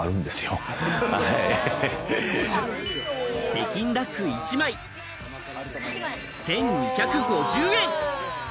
北京ダック１枚、１２５０円。